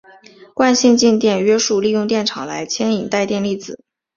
惯性静电约束利用电场来牵引带电粒子。